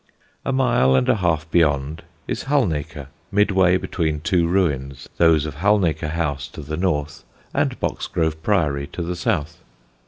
A mile and a half beyond is Halnaker, midway between two ruins, those of Halnaker House to the north and Boxgrove Priory to the south.